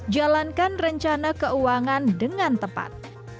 jalankan rencana keuangan dengan tepat